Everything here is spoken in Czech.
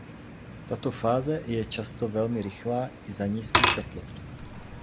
Tato fáze je často velmi rychlá i za nízkých teplot.